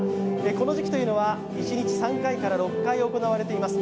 この時期は一日３回から６回行われています。